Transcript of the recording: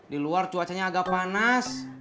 diluar cuacanya agak panas